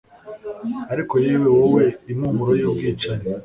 Ariko yewe wowe impumuro yubwicanyi